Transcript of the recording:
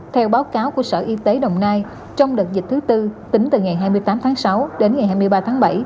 theo báo cáo của sở y tế đồng nai trong đợt dịch thứ tư tính từ ngày hai mươi tám tháng sáu đến ngày hai mươi ba tháng bảy